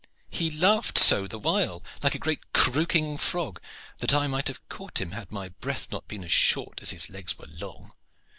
He laughed so the while, like a great croaking frog, that I might have caught him had my breath not been as short as his legs were long."